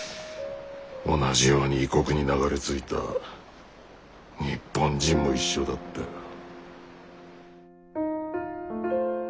同じように異国に流れ着いた日本人も一緒だったよ。